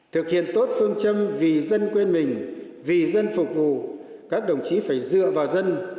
thực hiện tốt phương châm vì dân quên mình vì dân phục vụ các đồng chí phải dựa vào dân